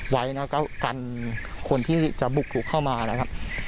ไว้แล้วก็กันคนที่จะบุกลุกเข้ามานะครับ